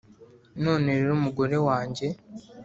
None rero mugore wanjye